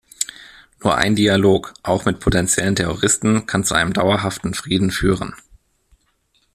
Nur ein Dialog, auch mit potenziellen Terroristen, kann zu einem dauerhaften Frieden führen.